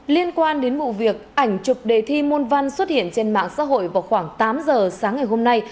liên quan đến vụ việc ảnh chụp đề thi môn văn xuất hiện trên mạng xã hội vào khoảng tám giờ sáng ngày hôm nay